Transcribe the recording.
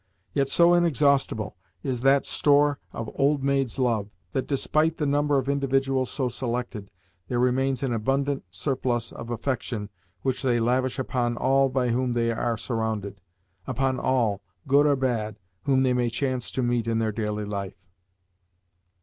Yet so inexhaustible is that store of old maids' love that, despite the number of individuals so selected, there still remains an abundant surplus of affection which they lavish upon all by whom they are surrounded upon all, good or bad, whom they may chance to meet in their daily life.